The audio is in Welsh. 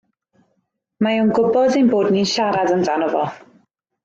Mae o'n gwybod ein bod ni'n siarad amdano fo.